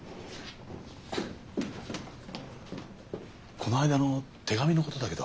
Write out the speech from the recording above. この間の手紙のことだけど。